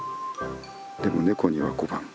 でもネコには小判。